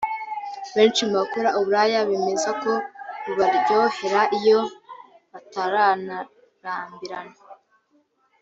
Benshi mu bakora uburaya bemeza ko bubaryohera iyo batararambirana